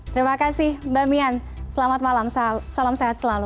terima kasih mbak mian selamat malam salam sehat selalu